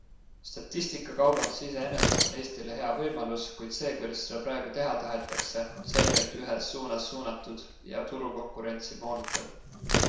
Statistikakaubandus iseenesest on Eestile hea võimalus, kuid see, kuidas seda praegu teha tahetakse, on selgelt ühes suunas suunatud ja turukonkurentsi moonutav.